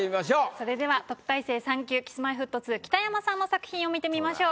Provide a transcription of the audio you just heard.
それでは特待生３級Ｋｉｓ−Ｍｙ−Ｆｔ２北山さんの作品を見てみましょう。